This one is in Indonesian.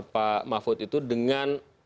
pak mahfud itu dengan